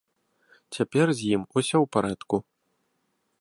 Цяпер з ім усё ў парадку.